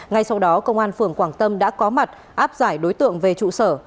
ngay sau đó công an phường quảng tâm đã có mặt áp giải đối tượng về trụ sở